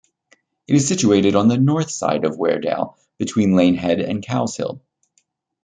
It is situated on the north side of Weardale, between Lanehead and Cowshill.